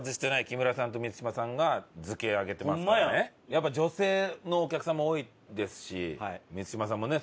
やっぱ女性のお客さんも多いですし満島さんもね。